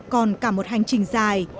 còn cả một hành trình dài